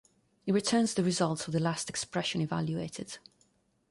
It returns the result of the last expression evaluated.